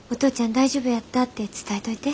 大丈夫やったて伝えといて。